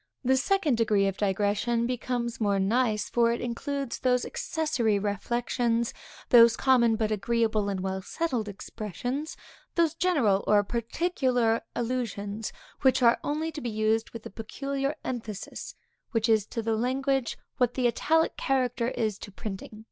The second degree of digression becomes more nice, for it includes those accessory reflections, those common but agreeable and well settled expressions; those general or particular allusions, which are only to be used with a peculiar emphasis, which is to language what the italic character is to printing.